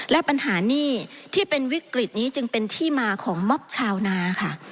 และปัญหานี่ที่เป็นวิกฤตนี้จึงเป็นที่มาของม็อบชาวนาค่ะ